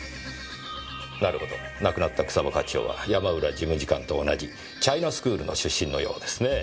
なるほど亡くなった草葉課長は山浦事務次官と同じチャイナスクールの出身のようですねぇ。